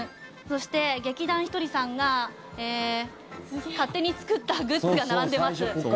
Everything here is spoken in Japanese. そして、劇団ひとりさんが勝手に作ったグッズが並んでいます。